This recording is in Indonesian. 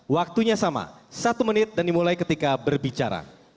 waktunya sama satu menit dan dimulai ketika berbicara